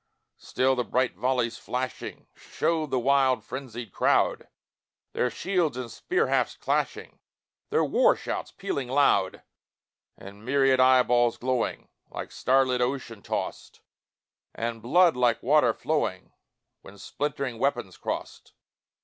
Still the bright volley's flashing Showed the wild frenzied crowd, Their shields and spear hafts clashing Their war shouts pealing loud And myriad eyeballs glowing, Like starlit ocean tossed And blood, like water, flowing, When splintering weapons crossed.